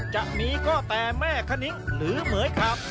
จะมีก็แต่แม่คณิ้งหรือเหมือยขาบ